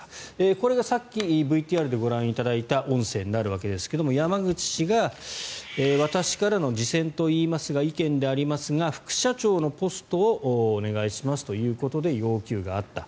これがさっきＶＴＲでご覧いただいた音声になるわけですが山口氏が私からの自薦といいますか意見でありますが副社長のポストをお願いしますということで要求があった。